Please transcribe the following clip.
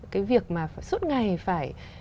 cái việc mà suốt ngày phải